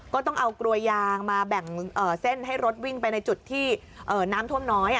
ก็ต้องเอากลวยยางมาแบ่งเส้นให้รถวิ่งไปในจุดที่น้ำท่วมน้อย